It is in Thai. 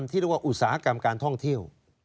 ที่เรียกว่าอุตสาหกรรมการท่องเที่ยว